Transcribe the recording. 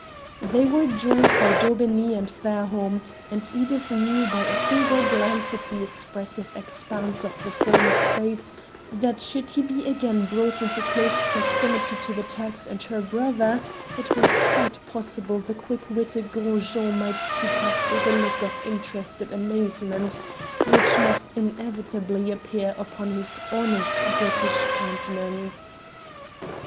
They were joined by Daubeney and Fairholme, and Edith knew by a single glance at the expressive expanse of the former's face that should he be again brought into close proximity to the Turks and her brother it was quite possible the quick witted Gros Jean might detect the look of interested amazement which must inevitably appear upon his honest British countenance.